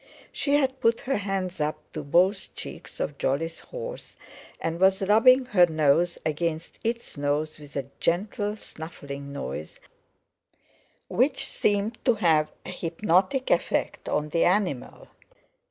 She had put her hands up to both cheeks of Jolly's horse, and was rubbing her nose against its nose with a gentle snuffling noise which seemed to have an hypnotic effect on the animal.